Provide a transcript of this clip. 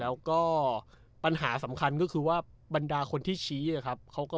แล้วก็ปัญหาสำคัญก็คือว่าบรรดาคนที่ชี้อะครับ